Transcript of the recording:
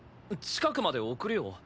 近くまで送るよ。